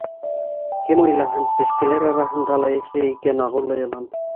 Кем уйлаһын, сәскәләр араһында ла йәшәй икән ағыулы йылан.